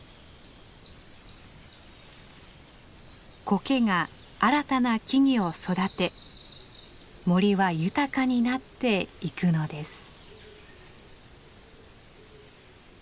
コケが新たな木々を育て森は豊かになっていくのです。